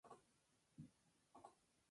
Estudió en el colegio Maria Auxiliadora.